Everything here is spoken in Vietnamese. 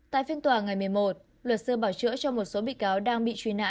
tại phiên tòa ngày một mươi một luật sư bảo chữa cho một số bị cáo đang bị truy nã